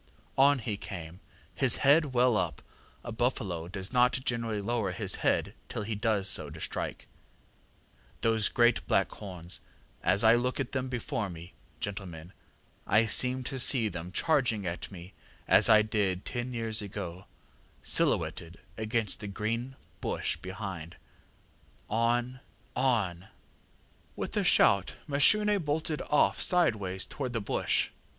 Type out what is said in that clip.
ŌĆ£On he came, his head well up (a buffalo does not generally lower his head till he does so to strike); those great black horns as I look at them before me, gentlemen, I seem to see them come charging at me as I did ten years ago, silhouetted against the green bush behind; on, on! ŌĆØ ŌĆ£With a shout Mashune bolted off sideways towards the bush.